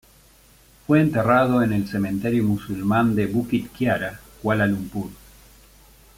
Fue enterrado en el cementerio musulmán de Bukit Kiara, Kuala Lumpur.